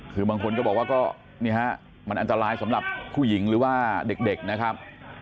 คือบางคนก็บอกว่าก็นี่ฮะมันอันตรายสำหรับผู้หญิงหรือว่าเด็กนะครับ